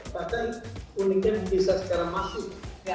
maka uniknya bisa secara masuk